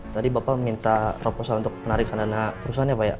tadi bapak minta proposal untuk menarikkan dana perusahaannya pak ya